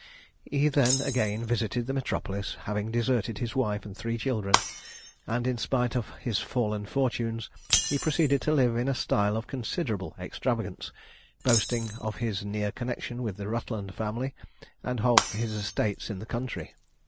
He, then, again visited the metropolis, having deserted his wife and three children, and in spite of his fallen fortunes he proceeded to live in a style of considerable extravagance, boasting of his near connexion with the Rutland family, and of his estates in the country.